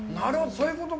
そういうことか。